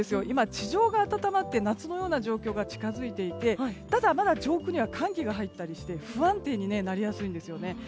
地上が暖まって夏のような状況が近づいていてただ、まだ上空には寒気が入ったりして不安定になりやすいんですよね。